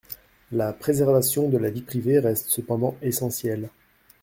La préservation de la vie privée reste cependant essentielle.